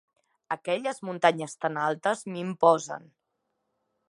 Aquelles muntanyes tan altes m'imposen.